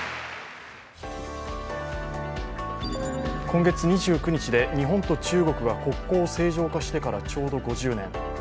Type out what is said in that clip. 今月２９日で日本と中国が国交を正常化してからちょうど５０年。